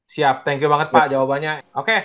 siap thank you banget pak jawabannya oke